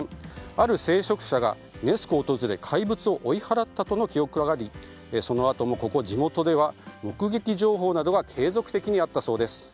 ある聖職者がネス湖を訪れ怪物を追い払ったとの記録がありそのあとも、ここ地元では目撃情報などが継続的にあったそうです。